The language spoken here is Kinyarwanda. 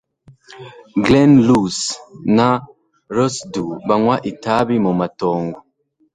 Glen Luss na Rossdhu banywa itabi mu matongo